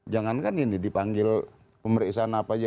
jangankan ini dipanggil pemeriksaan apa aja